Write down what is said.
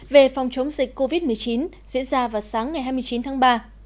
về phòng chống dịch covid một mươi chín diễn ra vào sáng ngày hai mươi chín tháng ba